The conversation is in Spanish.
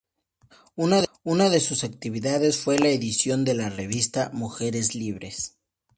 Una de sus actividades fue la edición de la revista "Mujeres Libres".